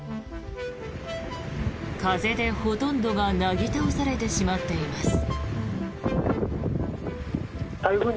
風でほとんどがなぎ倒されてしまっています。